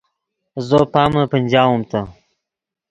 زو پامے پنجاؤم تے